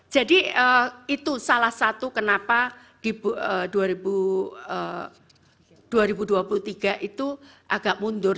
jadi itu salah satu kenapa di dua ribu dua puluh tiga itu agak mundur